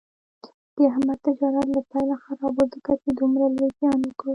د احمد تجارت له پیله خراب و، ځکه یې دومره لوی زیان وکړ.